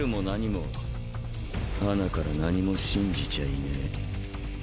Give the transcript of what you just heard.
最初から何も信じちゃいねえ。